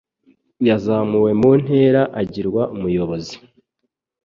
Yazamuwe mu ntera agirwa umuyobozi.